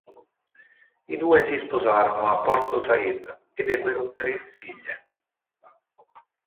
I due si sposarono a Porto Said ed ebbero tre figlie.